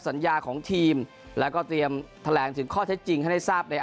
สัญญาของทีมแล้วก็เตรียมแถลงถึงข้อเท็จจริงให้ได้ทราบใน